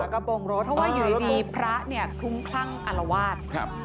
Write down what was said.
กระโปรงรถเพราะว่าอยู่ดีพระเนี่ยคลุ้มคลั่งอารวาส